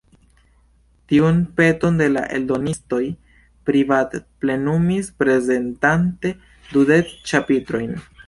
Tiun peton de la eldonistoj Privat plenumis prezentante dudek ĉapitrojn.